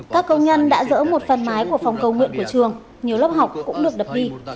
các công nhân đã dỡ một phần mái của phòng cầu nguyện của trường nhiều lớp học cũng được đập đi